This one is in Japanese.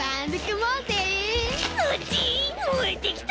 もえてきた！